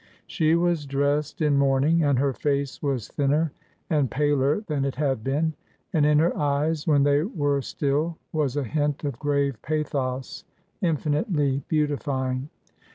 She was dressed in mourning and her face was thinner and paler than it had been, and in her eyes when they were still was a hint of grave pathos infinitely beautifying.